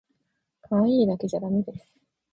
かわいいだけじゃだめです